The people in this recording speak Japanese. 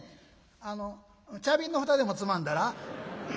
「あの茶瓶の蓋でもつまんだら？」。